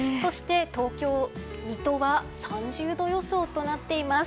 東京、水戸は３０度予想となっています。